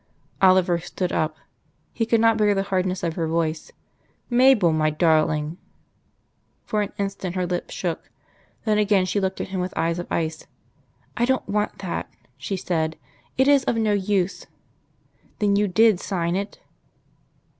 Oliver stood up. He could not bear the hardness of her voice. "Mabel, my darling " For an instant her lips shook; then again she looked at him with eyes of ice. "I don't want that," she said. "It is of no use. Then you did sign it?"